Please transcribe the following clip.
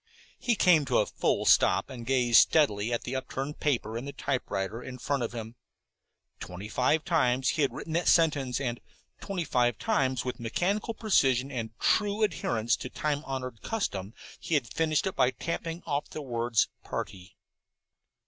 He came to a full stop and gazed steadily at the upturned paper in the typewriter in front of him. Twenty fives times he had written that sentence, and twenty five times with mechanical precision and true adherence to time honored custom he had finished it by tapping off the word "party."